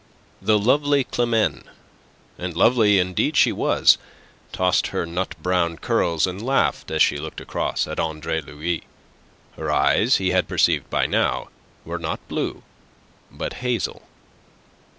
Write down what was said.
The lovely Climene and lovely indeed she was tossed her nut brown curls and laughed as she looked across at Andre Louis. Her eyes, he had perceived by now, were not blue, but hazel.